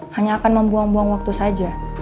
hanya akan membuang buang waktu saja